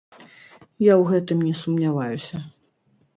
Я ў гэтым не сумняваюся.